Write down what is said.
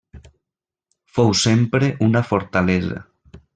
Fou sempre una fortalesa.